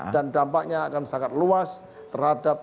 dampaknya akan sangat luas terhadap